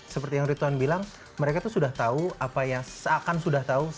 seperti yang rituan bilang mereka tuh sudah tahu apa yang seakan sudah tahu